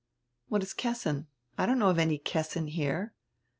"What is Kessin? I don't know of any Kessin here."